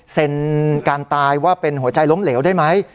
เซ็นการตายว่าเป็นหัวใจล้มเหลวได้ไหม